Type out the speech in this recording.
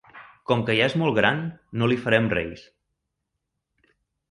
Com que ja és molt gran, no li farem reis.